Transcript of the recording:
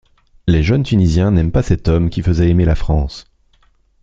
Les Jeunes Tunisiens n'aimaient pas cet homme qui faisait aimer la France.